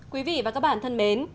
quý vị và các bạn thân mến